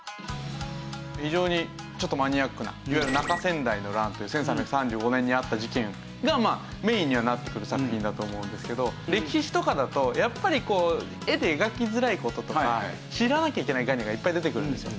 非常にちょっとマニアックないわゆる中先代の乱という１３３５年にあった事件がメインにはなってくる作品だと思うんですけど歴史とかだとやっぱりこう絵で描きづらい事とか知らなきゃいけない概念がいっぱい出てくるんですよ。